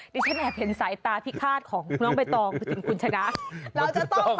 ปิดตาแล้วต่อยไปข้างหน้านะ